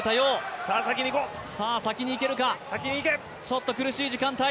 先にいけるか、ちょっと苦しい時間帯。